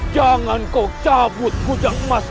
jangan kau cabut kucang emas itu